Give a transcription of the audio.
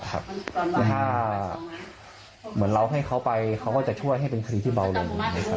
แต่ถ้าเหมือนเราให้เขาไปเขาก็จะช่วยให้เป็นคดีที่เบาลง